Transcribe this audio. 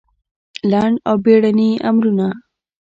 لنډ او بېړني امرونه